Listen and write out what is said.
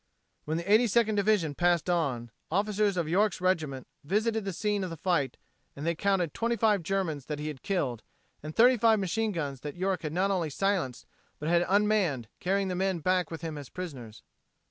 When the Eighty Second Division passed on, officers of York's regiment visited the scene of the fight and they counted 25 Germans that he had killed and 35 machine guns that York had not only silenced but had unmanned, carrying the men back with him as prisoners.